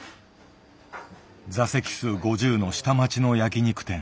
座席数５０の下町の焼き肉店。